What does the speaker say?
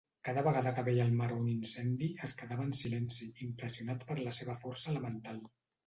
Cada vegada que veia el mar o un incendi, es quedava en silenci, impressionat per la seva força elemental.